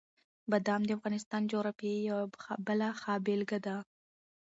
بادام د افغانستان د جغرافیې یوه بله ښه بېلګه ده.